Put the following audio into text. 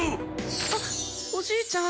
あっおじいちゃん。